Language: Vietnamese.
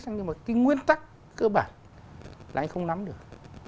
nhưng mà cái nguyên tắc cơ bản là anh không nắm được